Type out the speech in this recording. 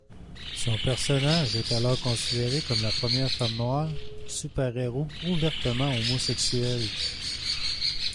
Son personnage est alors considéré comme la première femme noire super-héro ouvertement homosexuelle.